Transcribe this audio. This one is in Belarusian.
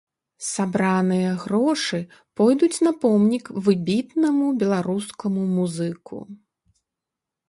Сабраныя грошы пойдуць на помнік выбітнаму беларускаму музыку.